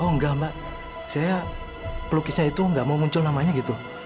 oh enggak mbak saya pelukisnya itu nggak mau muncul namanya gitu